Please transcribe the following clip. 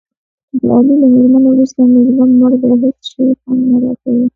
د علي له مړینې ورسته مې زړه مړ دی. هېڅ شی خوند نه راکوي.